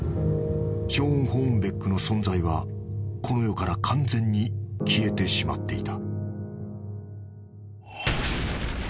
［ショーン・ホーンベックの存在はこの世から完全に消えてしまっていた］